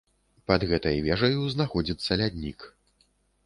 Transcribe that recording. Пад гэтай вежаю знаходзіцца ляднік.